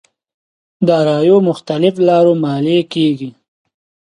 داراییو مختلف لارو ماليې کېږي.